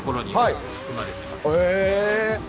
へえ。